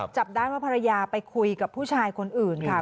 จับได้ว่าภรรยาไปคุยกับผู้ชายคนอื่นค่ะ